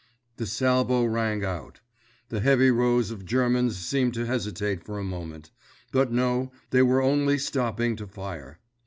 _" Their salvo rang out. The heavy rows of Germans seemed to hesitate for a moment; but no, they were only stopping to fire.